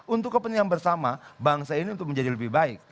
untuk kepentingan bersama bangsa ini untuk menjadi lebih baik